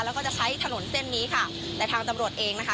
แล้วก็จะใช้ถนนเส้นนี้ค่ะแต่ทางตำรวจเองนะคะ